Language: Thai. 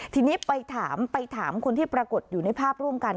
ทีนี้ไปถามไปถามคนที่ปรากฏอยู่ในภาพร่วมกัน